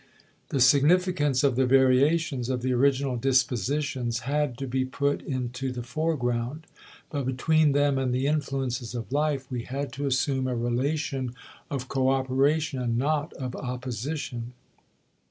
The significance of the variations of the original dispositions had to be put into the foreground, but between them and the influences of life we had to assume a relation of coöperation and not of opposition.